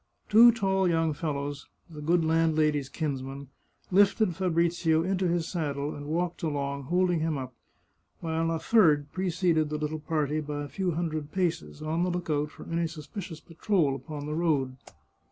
Two tall young fellows, the good landlady's kinsmen, lifted Fa brizio into his saddle and walked along, holding him up, while a third preceded the little party by a few hundred paces, on the lookout for any suspicious patrol upon the road.